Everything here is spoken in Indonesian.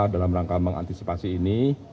dalam rangka mengantisipasi ini